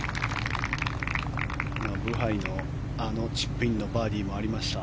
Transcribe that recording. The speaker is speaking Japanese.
ブハイのあのチップインのバーディーもありました。